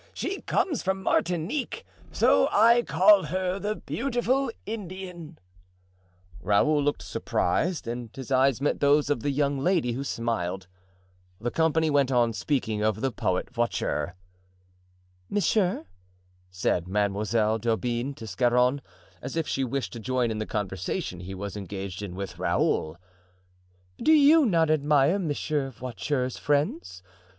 She comes from Martinique, so I call her the beautiful Indian." Raoul looked surprised and his eyes met those of the young lady, who smiled. The company went on speaking of the poet Voiture. "Monsieur," said Mademoiselle d'Aubigne to Scarron, as if she wished to join in the conversation he was engaged in with Raoul, "do you not admire Monsieur Voiture's friends?